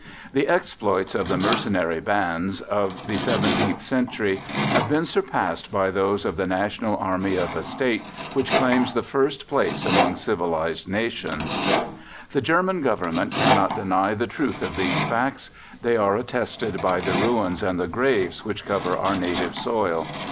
The "exploits" of the mercenary bands of the XVIIth Century have been surpassed by those of the national army of a State which claims the first place among civilized nations! The German Government cannot deny the truth of these facts they are attested by the ruins and the graves which cover our native soil.